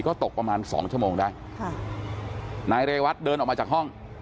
ก็ตกประมาณสองชั่วโมงได้ค่ะนายเรวัตเดินออกมาจากห้อง